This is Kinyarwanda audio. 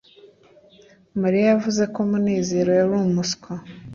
mariya yavuze ko munezero yari umuswa